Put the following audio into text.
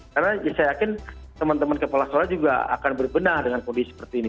karena saya yakin teman teman kepala sekolah juga akan berbenah dengan kondisi ini